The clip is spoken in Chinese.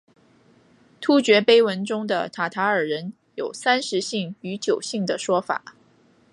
突厥碑文中的塔塔尔人有三十姓与九姓的说法。